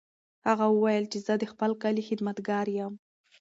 هغه وویل چې زه د خپل کلي خدمتګار یم.